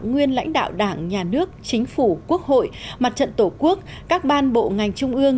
nguyên lãnh đạo đảng nhà nước chính phủ quốc hội mặt trận tổ quốc các ban bộ ngành trung ương